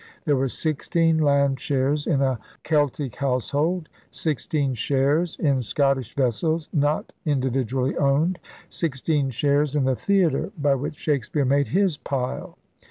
There were sixteen land shares in a Celtic household, sixteen shares in Scottish vessels not individually owned, sixteen shares in the theatre by which Shakespeare 'made his pile.'